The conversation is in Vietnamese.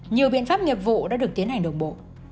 nhiều biện pháp nghiệp vụ đã được tiến hành đồng bộ